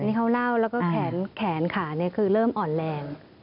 อันนี้เขาเล่าแล้วก็แขนขาเนี่ยคือเริ่มอ่อนแรง